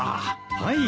はい。